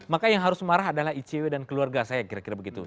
maka yang harus marah adalah icw dan keluarga saya kira begitu